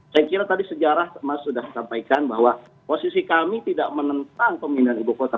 saya kira tadi sejarah mas sudah sampaikan bahwa posisi kami tidak menentang pemindahan ibu kota